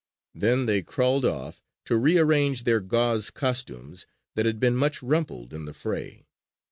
Then they crawled off, to rearrange their gauze costumes that had been much rumpled in the fray.